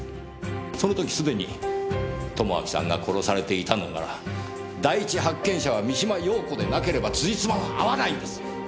その時すでに友章さんが殺されていたのなら第一発見者は三島陽子でなければつじつまは合わないんです！